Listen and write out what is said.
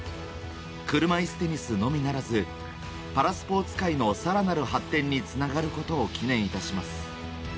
車いすテニスのみならず、パラスポーツ界のさらなる発展につながることを祈念いたします。